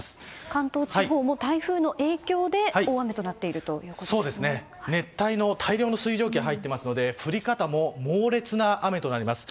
関東地方も台風の影響で大雨となっている熱帯の大量の水蒸気が入っていますので降り方も、猛烈な雨となります。